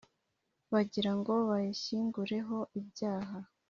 Bagira ngo bayishyingureho ibyaha,